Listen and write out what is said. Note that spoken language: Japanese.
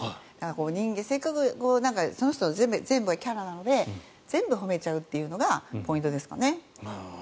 せっかくその人の全部がキャラなので全部褒めちゃうというのがポイントですかね。